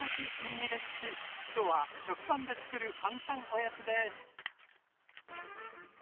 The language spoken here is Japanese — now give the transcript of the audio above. きょうは食パンでつくる簡単おやつです！